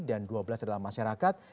dan dua belas adalah masyarakat